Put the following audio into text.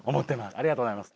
ありがとうございます。